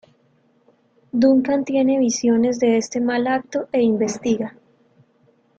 Duncan tiene visiones de este mal acto e investiga.